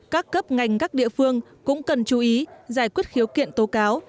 các cấp ngành các địa phương cũng cần chú ý giải quyết khiếu kiện tố cáo